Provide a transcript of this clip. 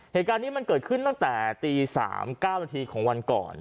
เหตุการณ์นี้มันเกิดขึ้นตั้งแต่ตี๓๙นาทีของวันก่อน